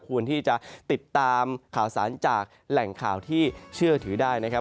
ควรที่จะติดตามข่าวสารจากแหล่งข่าวที่เชื่อถือได้นะครับ